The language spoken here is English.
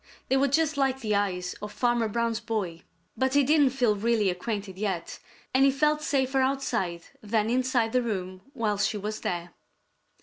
They were just like the eyes of Farmer Brown's boy. But he didn't feel really acquainted yet, and he felt safer outside than inside the room while she was there.